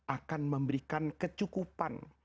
akan memberikan kecukupan